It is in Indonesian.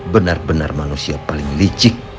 benar benar manusia paling licik